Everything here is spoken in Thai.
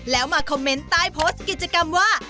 แล้วมาคอมเมนต์ใต้โพสต์กิจกรรมว่า